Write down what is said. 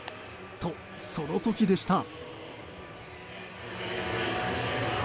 と、その時でした。